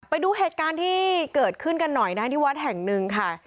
ไปดูเหตุการณ์ที่เกิดขึ้นกันหน่อยนะที่วัดแห่งหนึ่งค่ะ